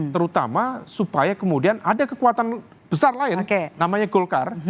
terutama supaya kemudian ada kekuatan besar lain namanya golkar